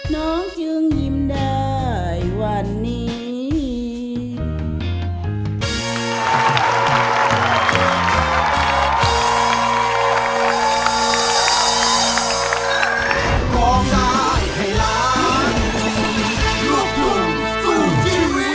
น้องจึงยิ้มได้วันนี้